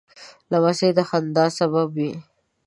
لمسی د خندا سبب وي.